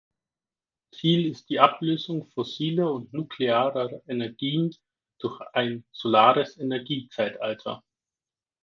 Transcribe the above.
Ziel ist die Ablösung fossiler und nuklearer Energien durch ein solares Energie-Zeitalter.